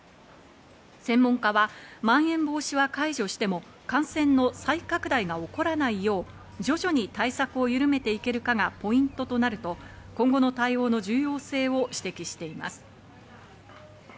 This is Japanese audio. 専門家は、まん延防止は解除しても感染の再拡大が起こらないよう徐々に対策をゆるめていけるかがポイントとなると今後の対応の重要性を指摘しています。